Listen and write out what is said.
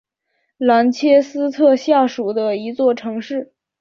兰切斯特下属的一座城市。